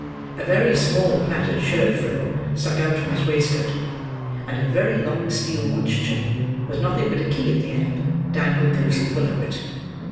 A very small plaited shirt frill stuck out from his waistcoat; and a very long steel watch chain, with nothing but a key at the end, dangled loosely below it.